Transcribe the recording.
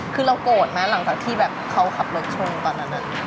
คือเราโกรธไหมหลังจากที่แบบเขาขับรถชนตอนนั้น